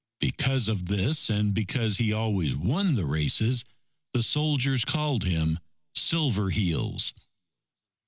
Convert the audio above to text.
Because of this and because he always won the races, the soldiers called him: "Silver Heels."